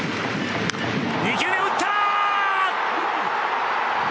２球目、打った！